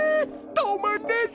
止まんねえぜ。